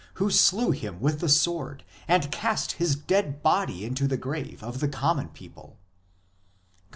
. who slew him with the sword, and cast his dead body into the graves of the common people," cp.